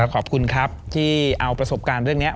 ขอบคุณครับที่เอาประสบการณ์เรื่องนี้